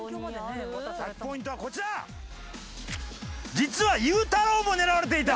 実はゆうたろうも狙われていた。